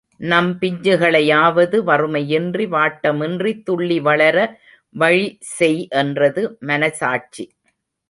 நம் பிஞ்சுகளையாவது வறுமையின்றி, வாட்டமின்றி துள்ளி வளர வழிசெய் என்றது மனசாட்சி.